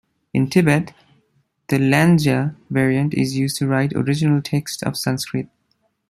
In Tibet, the Lanydza variant is used to write original texts of Sanskrit.